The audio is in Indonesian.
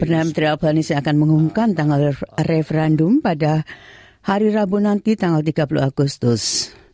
perdana menteri afganis akan mengumumkan tanggal referendum pada hari rabu nanti tanggal tiga puluh agustus